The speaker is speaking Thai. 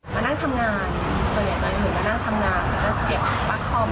มานั่งทำงานส่วนใหญ่หน่อยหนึ่งมานั่งทำงาน